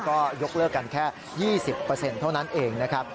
ก็ยกเลิกกันแค่๒๐เท่านั้นเองนะครับ